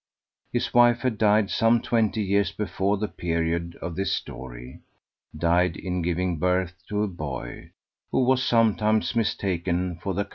His wife had died some twenty years before the period of this story died in giving birth to a boy, who was sometimes mistaken for the Co.